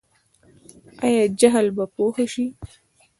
آیا جهل به پوهه شي؟